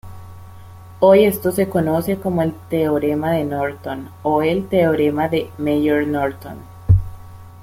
Hoy esto se conoce como el teorema de Norton o el teorema de Mayer-Norton.